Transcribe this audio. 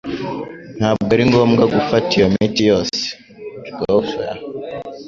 Ntabwo ari ngombwa gufata iyo miti yose. (jgauthier)